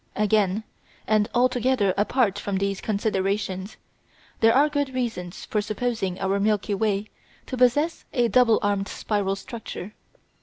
Again, and altogether apart from these considerations, there are good reasons for supposing our Milky Way to possess a double armed spiral structure.